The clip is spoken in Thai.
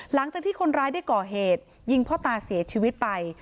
หลังจากที่คนร้ายได้ก่อเหตุยิงพ่อตาเสียชีวิตไป